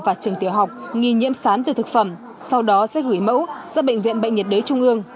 và trường tiểu học nghi nhiễm sán từ thực phẩm sau đó sẽ gửi mẫu ra bệnh viện bệnh nhiệt đới trung ương